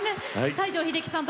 西城秀樹さん